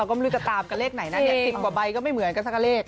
ก็ไม่รู้จะตามกับเลขไหนนะเนี่ย๑๐กว่าใบก็ไม่เหมือนกันสักกับเลข